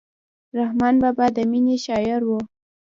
رحمان بابا د مینې شاعر و.